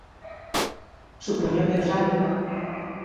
Supoño que o sabe.